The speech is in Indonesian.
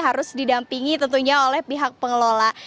harus didampingi tentunya oleh pihak pengelola